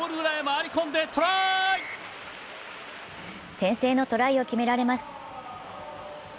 先制のトライを決められます。